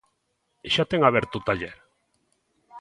E xa ten aberto o taller?